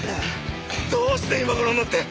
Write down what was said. どうして今頃になって。